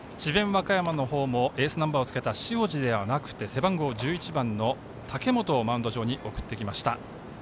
和歌山のほうもエースナンバーをつけた塩路ではなくて背番号１１番の武元をマウンド上に送ってきました。